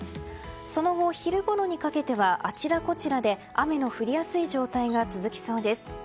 その後、昼ごろにかけてはあちらこちらで雨の降りやすい状態が続きそうです。